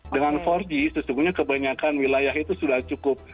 dengan empat g sesungguhnya kebanyakan wilayah itu sudah cukup